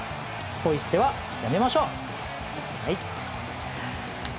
ポイ捨ては、やめましょう！